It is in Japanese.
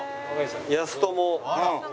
やすとも。